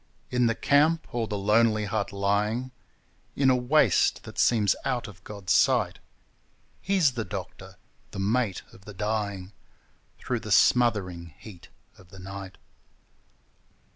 In the camp or the lonely hut lying In a waste that seems out of God's sight, He's the doctor the mate of the dying Through the smothering heat of the night.